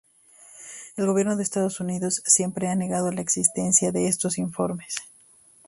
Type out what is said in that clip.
El gobierno de Estados Unidos siempre ha negado la existencia de estos informes.